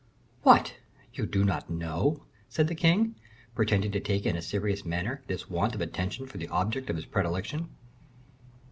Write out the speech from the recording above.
"What! you do not know?" said the king, pretending to take in a serious manner this want of attention for the object of his predilection.